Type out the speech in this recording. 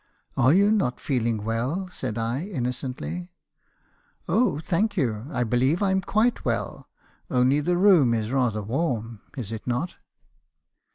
" 'Are you not feeling well?' said I, innocently. "' Oh, thank you, I believe I'm quite well; only the room is rather warm , is it not?'